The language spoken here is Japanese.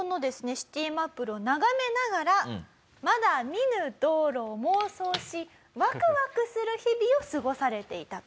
『シティマップル』を眺めながらまだ見ぬ道路を妄想しワクワクする日々を過ごされていたと。